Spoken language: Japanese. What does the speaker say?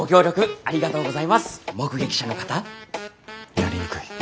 やりにくい。